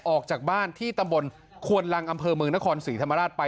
ออกจากบ้านที่ตำบลควนลังอำเภอเมืองนครศรีธรรมราชไป